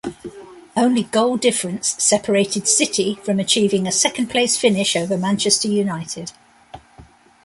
Only goal difference separated City from achieving a second-place finish over Manchester United.